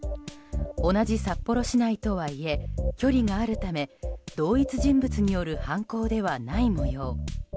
同じ札幌市内とはいえ距離があるため同一人物による犯行ではない模様。